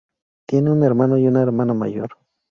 Tiene un hermano y una hermana mayor.